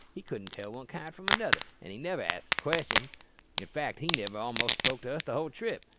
He couldn't tell one kind from another, an' he niver axed questions. In fact he niver a'most spoke to us all the trip.